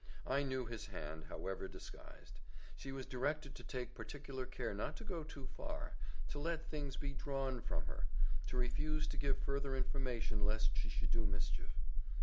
I knew his hand, however disguised. She was directed to take particular care not to go too far to let things be drawn from her to refuse to give further information lest she should do mischief.